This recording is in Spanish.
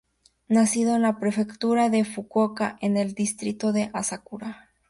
Nacido en la prefectura de Fukuoka, en el distrito de Asakura.